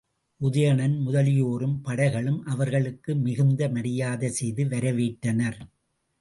உதயணன் முதலியோரும் படைகளும் அவர்களுக்கு மிகுந்த மரியாதை செய்து வரவேற்றனர்.